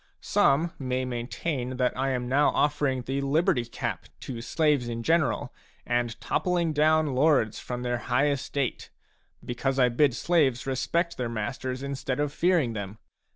Some may maintain that I am now offering the liberty cap to slaves in general and toppling down lords from their high estate, because I bid slaves respect their masters instead of fearing them.